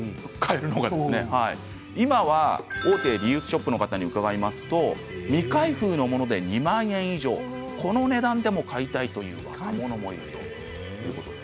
今は大手リユースショップによりますと未開封のもので２万円以上それでも買いたいという若者が多いそうです。